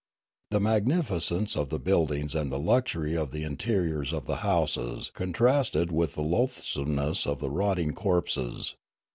The magnificence of the buildings and the luxury of the interiors of the houses contrasted with the loathsomeness of the rotting corpses.